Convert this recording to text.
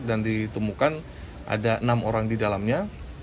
dan ditemukan ada enam orang di dalamnya